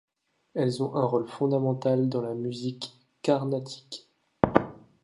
Elles ont un rôle fondamental dans la musique carnatique.